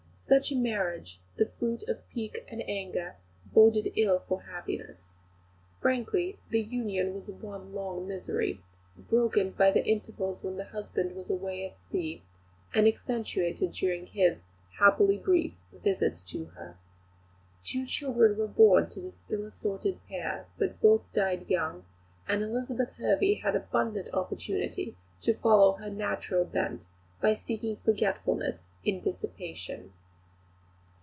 Such a marriage, the fruit of pique and anger, boded ill for happiness. Frankly, the union was one long misery, broken by the intervals when the husband was away at sea, and accentuated during his, happily brief, visits to her. Two children were born to this ill assorted pair, but both died young; and Elizabeth Hervey had abundant opportunity to follow her natural bent, by seeking forgetfulness in dissipation.